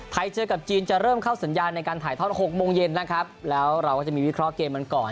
เจอกับจีนจะเริ่มเข้าสัญญาณในการถ่ายทอด๖โมงเย็นนะครับแล้วเราก็จะมีวิเคราะห์เกมกันก่อน